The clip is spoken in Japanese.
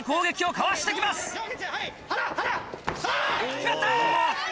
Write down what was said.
・決まった！